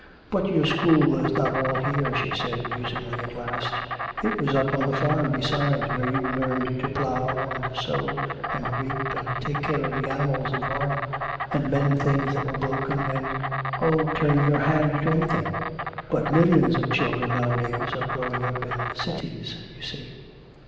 "But your school was not all here," she said musingly at last, "it was up on the farm, besides, where you learned to plough and sow and reap and take care of the animals in the barn, and mend things that were broken, and oh, turn your hand to anything. But millions of children nowadays are growing up in cities, you see."